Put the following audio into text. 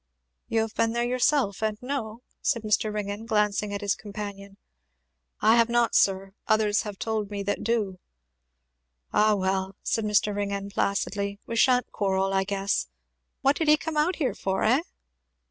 "You have been there yourself and know?" said Mr. Ringgan, glancing at his companion. "If I have not, sir, others have told me that do." "Ah well," said Mr. Ringgan placidly, "we sha'n't quarrel, I guess. What did he come out here for, eh?"